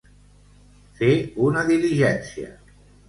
Fer una diligència.